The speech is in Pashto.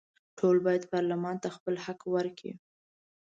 ټول باید پارلمان ته خپل حق ورکړي.